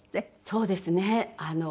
そうですね。